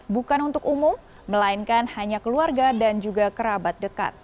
bukan untuk umum melainkan hanya keluarga dan juga kerabat dekat